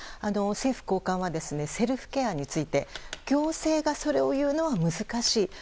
政府高官はセルフケアについて行政が、それを言うのは難しい。